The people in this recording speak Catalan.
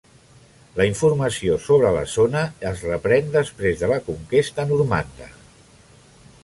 La informació sobre la zona es reprèn després de la conquesta normanda.